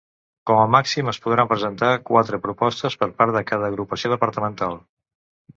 Com a màxim es podran presentar quatre propostes per part de cada agrupació departamental.